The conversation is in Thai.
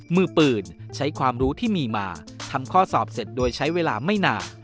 มือปืนใช้ความรู้ที่มีมาทำข้อสอบเสร็จโดยใช้เวลาไม่นาน